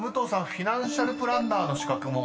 ファイナンシャルプランナーの資格も］